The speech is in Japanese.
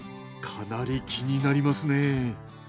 かなり気になりますね。